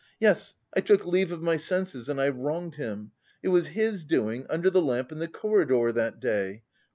Yes, I took leave of my senses and I wronged him! It was his doing, under the lamp in the corridor that day.